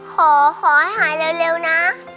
ขอให้หายเร็วนะ